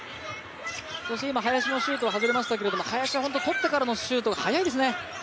そして今林のシュートが外れましたけど、林はとってからのシュートが速いですね。